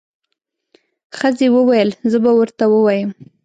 ښځې وويل زه به ورته ووایم.